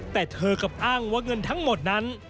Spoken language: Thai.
แต่เธอกับอ้างว่าเงินทั้งหมดนั้น